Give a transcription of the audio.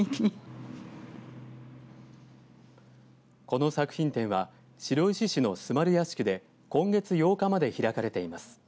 この作品展は白石市の壽丸屋敷で今月８日まで開かれています。